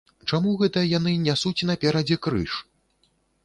Чаму гэта яны нясуць наперадзе крыж?